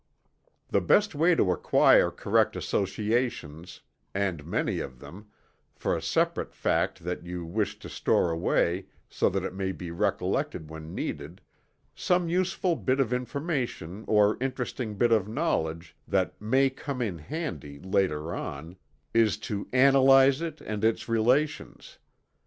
The best way to acquire correct associations, and many of them, for a separate fact that you wish to store away so that it may be recollected when needed some useful bit of information or interesting bit of knowledge, that "may come in handy" later on is to analyze it and its relations.